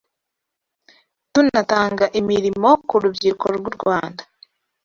tunatanga imirimo ku rubyiruko rw’u Rwanda